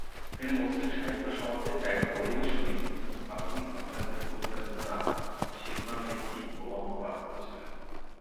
তিনি মুসলিম সাহিত্য সমাজের এক অধিবেশনে "আধুনিক বাংলা গীতি-কবিতার ধারা" শিরোনামের একটি প্রবন্ধ পাঠ করেছিলেন।